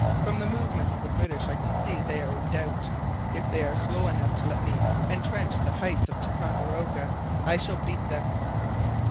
From the movements of the British I can see they are in doubt. If they are slow enough to let me entrench the heights of Ticonderoga, I shall beat them.'